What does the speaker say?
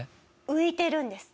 浮いてるんです。